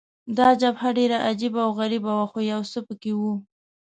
دا جبهه ډېره عجبه او غریبه وه، خو یو څه په کې وو.